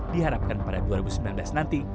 diharapkan pada dua ribu sembilan belas nanti